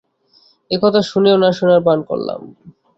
একথা শুনেও না শোনার ভান করলাম।